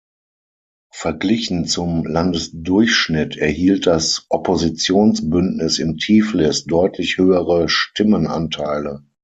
Verglichen zum Landesdurchschnitt erhielt das Oppositionsbündnis in Tiflis deutlich höhere Stimmenanteile.